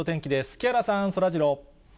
木原さん、そらジロー。